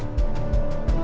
elsa ya allah